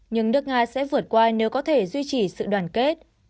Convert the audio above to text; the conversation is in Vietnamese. nhưng nước nga sẽ vượt qua nếu có thể duy trì sự đoàn kết